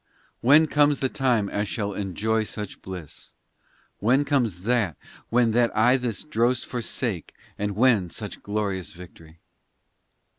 When comes the time I shall enjoy such bliss ? When comes that when * That I this dross Forsake, and when such glorious victory